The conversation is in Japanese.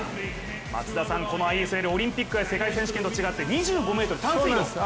松田さん、このＩＳＬはオリンピックや世界選手権と違って２５ｍ、短水路なんですよね。